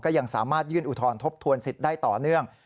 ยังสามารถยื่นอุทธรณ์ทบทวนสิทธิ์ได้ต่อเนื่อง